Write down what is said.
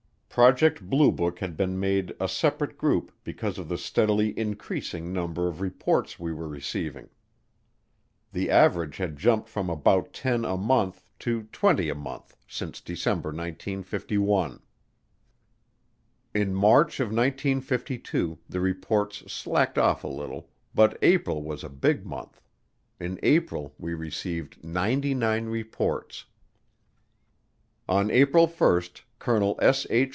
Project Blue Book had been made a separate group because of the steadily increasing number of reports we were receiving. The average had jumped from about ten a month to twenty a month since December 1951. In March of 1952 the reports slacked off a little, but April was a big month. In April we received ninety nine reports. On April 1, Colonel S. H.